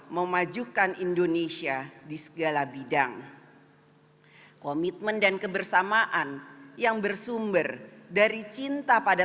memajukan indonesia di segala bidang komitmen dan kebersamaan yang bersumber dari cinta pada